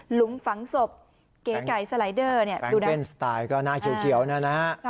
หลุงฝังศพเก๋ไก่สไลเดอร์เนี้ยดูได้หน้าเฉียวเฉียวนั่นแหละฮะ